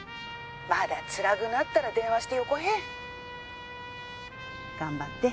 「まだつらぐなったら電話してよこへ」頑張って。